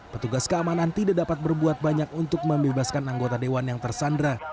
petugas keamanan tidak dapat berbuat banyak untuk membebaskan anggota dewan yang tersandra